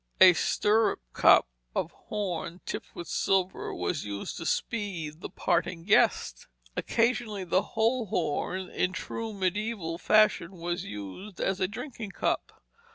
A stirrup cup of horn, tipped with silver, was used to "speed the parting guest." Occasionally the whole horn, in true mediæval fashion, was used as a drinking cup.